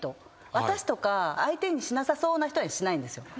私とか相手にしなさそうな人にはしないんですよ。